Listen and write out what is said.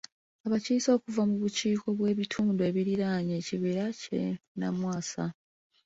Abakiise okuva ku bukiiko bw'ebitundu ebiriraanye Ekibira ky'e Namwasa.